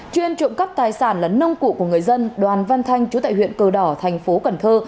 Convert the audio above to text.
chuyên trụng cấp tài sản lấn nông cụ của người dân đoàn văn thanh chủ tại huyện cờ đỏ tp cần thơ